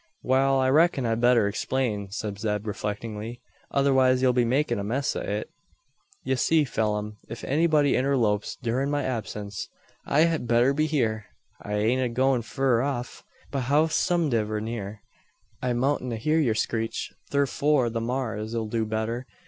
"Wal, I reck'n I'd better explain," said Zeb, reflectingly; "otherwise ye'll be makin' a mess o' it." "Ye see, Pheelum, ef anybody interlopes durin' my absince I hed better be hyur. I ain't a goin' fur off. But howsomediver near, I moutn't hear yur screech; thurfore the maar's 'll do better.